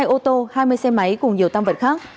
hai ô tô hai mươi xe máy cùng nhiều tăng vật khác